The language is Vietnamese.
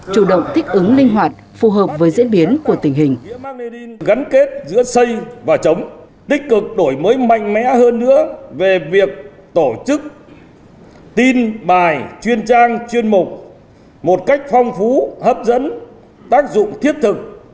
chủ động thích ứng linh hoạt phù hợp với diễn biến của tình hình